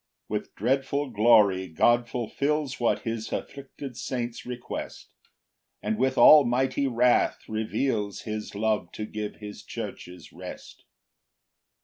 6 With dreadful glory God fulfils What his afflicted saints request; And with almighty wrath reveals His love to give his churches rest.